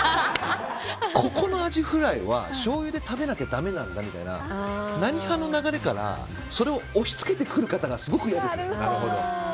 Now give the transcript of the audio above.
ここのアジフライはしょうゆで食べなきゃだめなんだみたいな何派の流れからそれを押し付けてくる方がすごく嫌です。